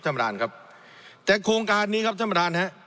ท่านประธานครับแต่โครงการนี้ครับท่านประธานฮะ